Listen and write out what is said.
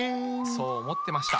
そう思ってました。